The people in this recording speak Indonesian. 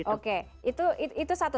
oke itu satu